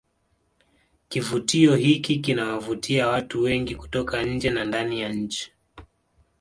kivutio hiki kinawavutia watu wengi kutoka nje na ndani ya nchi